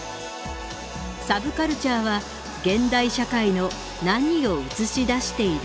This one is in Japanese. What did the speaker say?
サブカルチャーは現代社会の何を映し出しているのか。